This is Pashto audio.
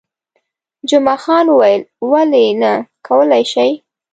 جمعه خان وویل، ولې نه، کولای شئ.